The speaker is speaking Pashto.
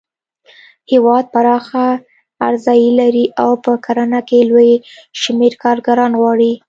هېواد پراخه اراضي لري او په کرنه کې لوی شمېر کارګران غواړي.